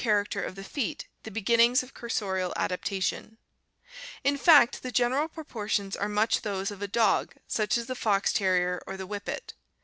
Natural size, character of the feet the begin (After Matthew.) . r . f ,. f mngs of cursorial adaptation. In fact, the general proportions are much those of a dog such as the fox terrier or the whippet.